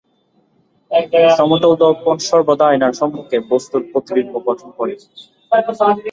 সমতল দর্পণ সর্বদা আয়নার সম্মুখে বস্তুর প্রতিবিম্ব গঠন করে।